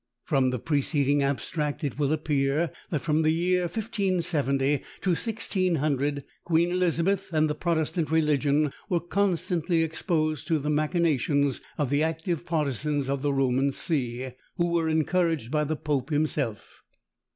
From the preceding abstract it will appear, that from the year 1570 to 1600, Queen Elizabeth and the Protestant religion were constantly exposed to the machinations of the active partisans of the Roman see, who were encouraged by the pope himself.